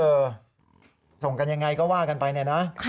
ส่งกันยังไงก็ว่ากันไปเนี่ยนะ